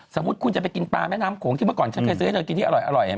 สมมุติคุณจะไปกินปลาแม่น้ำโขงที่เมื่อก่อนฉันเคยซื้อให้เธอกินที่อร่อย